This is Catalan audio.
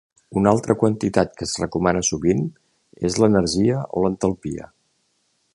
Una altra quantitat que es recomana sovint és l'energia o l'entalpia.